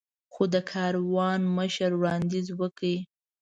خو د کاروان مشر وړاندیز وکړ.